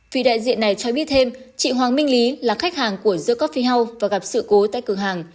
vì đại diện này cho biết thêm chị hoàng minh lý là khách hàng của zer cophi house và gặp sự cố tại cửa hàng